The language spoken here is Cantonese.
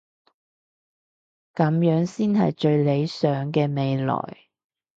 噉樣先係最理想嘅未來